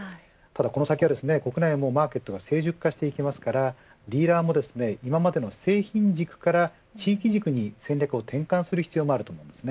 これからは国内のマーケットが成熟化していきますからディーラーも製品軸から地域軸に戦略を転換する必要があると思います。